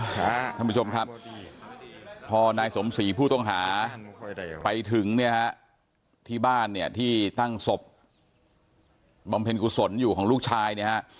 คุณผู้ชมครับพอนายสมศรีผู้ต้องหาไปถึงที่บ้านที่ตั้งศพบำเพ็ญกุศลอยู่ของลูกชาย